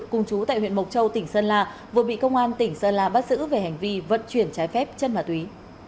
cùng chú tại huyện mộc châu tỉnh sơn la vừa bị công an tỉnh sơn la bắt giữ về hành vi vận chuyển trái phép chân ma túy